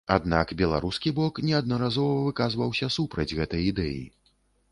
Аднак беларускі бок неаднаразова выказваўся супраць гэтай ідэі.